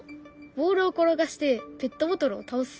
ボールを転がしてペットボトルを倒す。